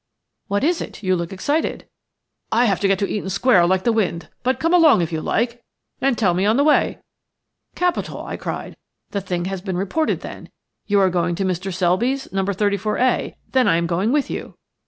"What is it? You look excited." "I have got to go to Eaton Square like the wind, but come along, if you like, and tell me on the way." "Capital," I cried. "The thing has been reported then? You are going to Mr. Selby's, No. 34A; then I am going with you."